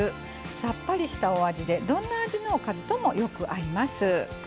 さっぱりしたお味でどんな味のおかずともよく合います。